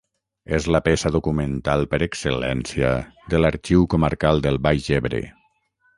És la peça documental per excel·lència de l’Arxiu Comarcal del Baix Ebre.